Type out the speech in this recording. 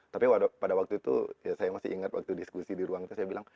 tapi pada waktu itu saya masih ingat waktu diskusi di ruang itu saya bilang